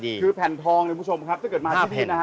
เดี๋ยวนะฮะคือแผ่นทองนะครับถ้าเกิดมาที่นี่นะครับ